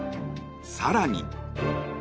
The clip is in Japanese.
更に。